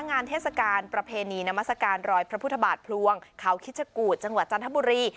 เทศกาลประเพณีนามัศกาลรอยพระพุทธบาทพลวงเขาคิชกูธจังหวัดจันทบุรี